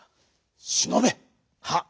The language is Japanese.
しのべ！はっ。